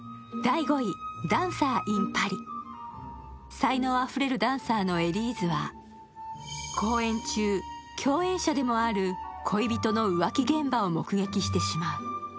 才能あふれるダンサーのエリーズは公演中、共演者でもある恋人の浮気現場を目撃してしまう。